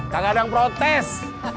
tak ada yang protes